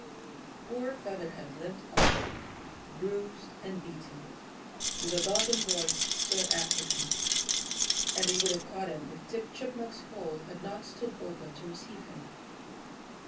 Poor Featherhead limped off, bruised and beaten, with the dog and boys still after him, and they would have caught him if Tip Chipmunk's hole had not stood open to receive him.